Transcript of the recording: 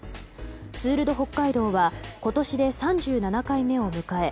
ツール・ド・北海道は今年で３７回目を迎え